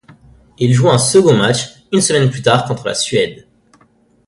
Il joue un second match une semaine plus tard contre la Suède.